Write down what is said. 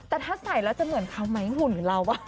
แต่ถ้าใส่แล้วจะเหมือนเขาไหมหุ่นเราป่ะ